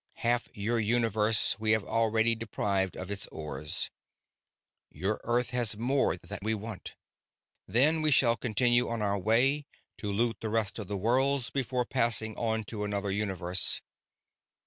Half your universe we have already deprived of its ores. Your Earth has more that we want. Then we shall continue on our way, to loot the rest of the worlds, before passing on to another universe.